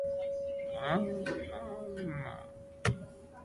The table below show the final points standings.